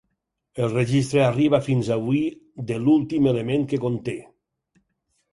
El registre arriba fins avui de l'últim element que conté.